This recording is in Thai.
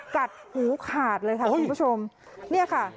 กัดหูขาดเลยค่ะคุณผู้ชมเนี่ยค่ะ